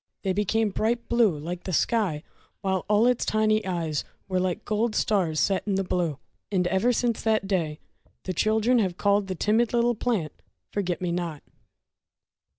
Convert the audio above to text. They became bright blue like the sky, while all its tiny eyes were like gold stars set in the blue! And ever since that day the children have called the timid little plant, "Forget Me Not"!